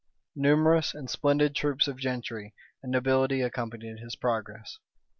Numerous and splendid troops of gentry and nobility accompanied his progress.